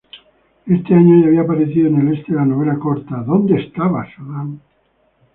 Este año ya había aparecido en el Este la novela corta "¿Dónde estabas, Adán?